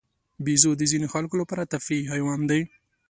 بیزو د ځینو خلکو لپاره تفریحي حیوان دی.